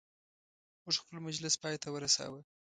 موږ خپل مجلس پایته ورساوه.